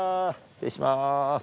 失礼します。